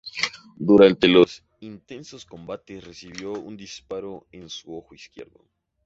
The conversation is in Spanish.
Durante los intensos combates, recibió un disparo en su ojo izquierdo.